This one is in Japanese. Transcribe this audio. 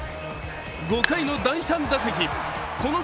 ５回の第３打席。